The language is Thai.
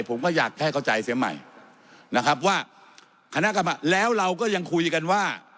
ผมก็อยากแค่เข้าใจเสียใหม่นะครับว่าคณะกรรมการแล้วเราก็ยังคุยกันว่า